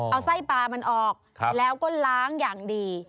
เอาไส้ปลามันออกแล้วก็ล้างอย่างดี